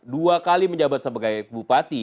dua kali menjabat sebagai bupati